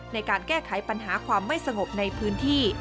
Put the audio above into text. ในการแก้ไขปัญหาความไม่สงบในพื้นที่